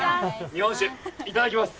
日本酒いただきます